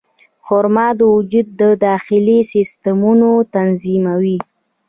خرما د وجود د داخلي سیستمونو تنظیموي.